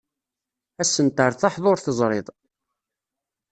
Ass-n tertaḥeḍ ur teẓriḍ.